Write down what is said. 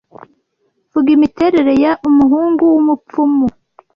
Vuga imiterere ya umuhungu wumupfumu